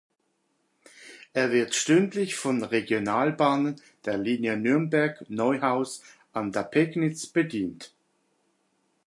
Er wird stündlich von Regionalbahnen der Linie Nürnberg-Neuhaus an der Pegnitz bedient.